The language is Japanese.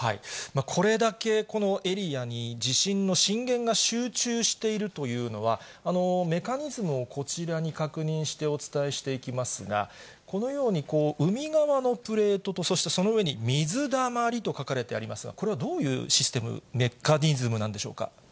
これだけこのエリアに地震の震源が集中しているというのは、メカニズムをこちらに確認してお伝えしていきますが、このように、海側のプレートとそしてその上に水だまりと書かれてありますが、これはどういうシステム、メカニズムなんでしょうか。